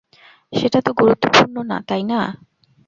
সেটা তো গুরুত্বপূর্ণ না, তাই না?